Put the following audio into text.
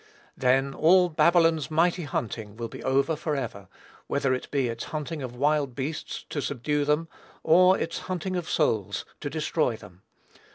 Then all Babylon's mighty hunting will be over forever, whether it be its hunting of wild beasts, to subdue them; or its hunting of souls, to destroy them.